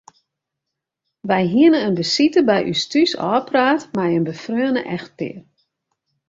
Wy hiene in besite by ús thús ôfpraat mei in befreone echtpear.